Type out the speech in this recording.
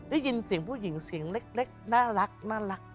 ได้ยินเสียงผู้หญิงเสียงเล็กน่ารัก